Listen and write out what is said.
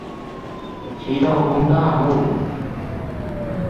齐悼公大怒。